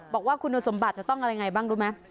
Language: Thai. บอกว่าคุณสมบัติจะต้องอะไรไงบ้างรู้ไหม